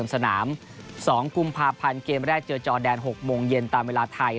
สนาม๒กุมภาพันธ์เกมแรกเจอจอแดน๖โมงเย็นตามเวลาไทย